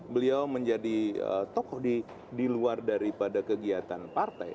beliau menjadi tokoh di luar daripada kegiatan partai